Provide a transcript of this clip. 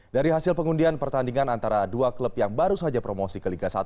dari hasil pengundian pertandingan antara dua klub yang baru saja promosi ke liga satu